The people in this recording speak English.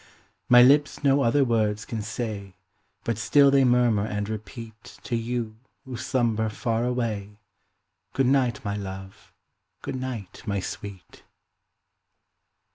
My lips no other words can say, But still they murmur and repeat To you, who slumber far away, Good night, my love! good night, my sweet!